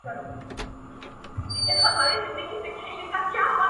چي هر ځای به څو مرغان سره جرګه سوه-